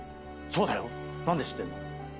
そうだよ。何で知ってんの？